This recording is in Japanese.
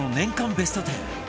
ベスト１０